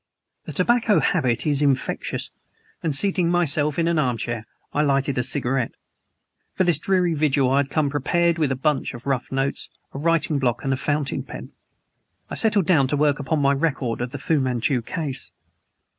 The tobacco habit is infectious, and, seating myself in an arm chair, I lighted a cigarette. For this dreary vigil I had come prepared with a bunch of rough notes, a writing block, and a fountain pen. I settled down to work upon my record of the Fu Manchu case.